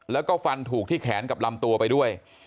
แล้วก็ฟันถูกที่แขนกับลำตัวไปด้วย